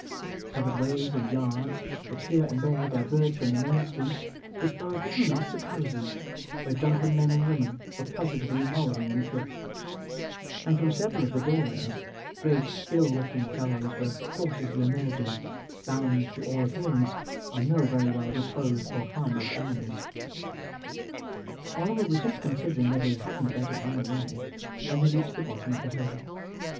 Covered ways and yards, which here and there diverged from the main street, disclosed little knots of houses, where drunken men and women were positively wallowing in filth; and from several of the door ways, great ill looking fellows were cautiously emerging, bound, to all appearance, on no very well disposed or harmless errands. Oliver was just considering whether he hadn't better run away, when they reached the bottom of the hill.